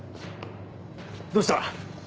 どうした？